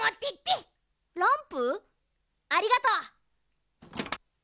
ありがとう。